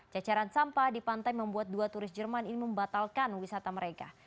cacaran sampah di pantai membuat dua turis jerman ini membatalkan wisata mereka